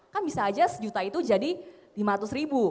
kan bisa aja sejuta itu jadi lima ratus ribu